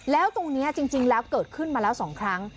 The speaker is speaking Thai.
แล้วตรงนี้จริงแล้วเกิดขึ้นมาแล้ว๒ครั้ง